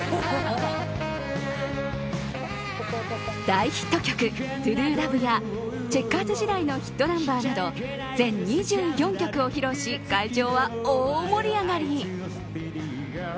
大ヒット曲「ＴＲＵＥＬＯＶＥ」やチェッカーズ時代のヒットナンバーなど全２４曲を披露し会場は大盛り上がり。